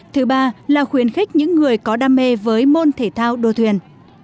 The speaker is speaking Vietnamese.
thứ ba là khuyến khích những người có đam mê với môn thể thao đua thuyền